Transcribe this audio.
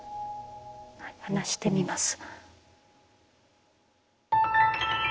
はい話してみます。